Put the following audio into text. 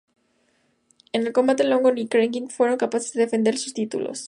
En el combate London y Kendrick fueron capaces de defender sus títulos.